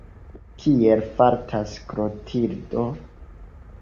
Kiel fartas Klotildo?